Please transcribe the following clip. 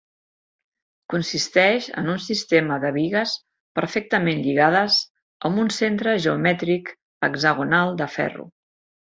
Consisteix en un sistema de bigues perfectament lligades amb un centre geomètric hexagonal de ferro.